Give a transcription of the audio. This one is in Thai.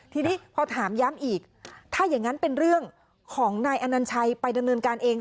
ทีนี้พอถามย้ำอีกถ้าอย่างนั้นเป็นเรื่องของนายอนัญชัยไปดำเนินการเอง